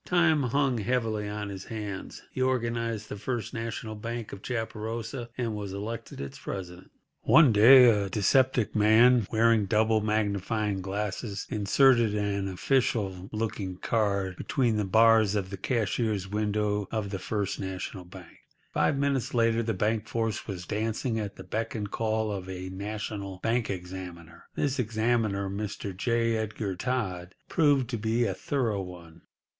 Time hung heavily on his hands. He organised the First National Bank of Chaparosa, and was elected its president. One day a dyspeptic man, wearing double magnifying glasses, inserted an official looking card between the bars of the cashier's window of the First National Bank. Five minutes later the bank force was dancing at the beck and call of a national bank examiner. This examiner, Mr. J. Edgar Todd, proved to be a thorough one.